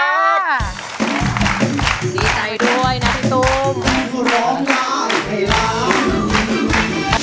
ดีใจด้วยนะพี่ตุ้ม